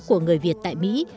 của người việt tại mỹ